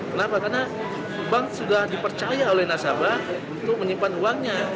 kenapa karena bank sudah dipercaya oleh nasabah untuk menyimpan uangnya